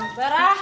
ayo kita ke tempe